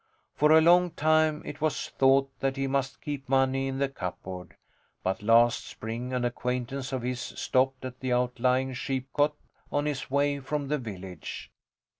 For a long time it was thought that he must keep money in the cupboard, but last spring an acquaintance of his stopped at the outlying sheepcote on his way from the village.